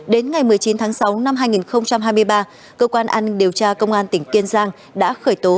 đến ngày một mươi chín tháng sáu năm hai nghìn hai mươi ba cơ quan an điều tra công an tỉnh kiên giang đã khởi tố